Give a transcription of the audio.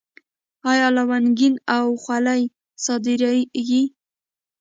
آیا لونګۍ او خولۍ صادریږي؟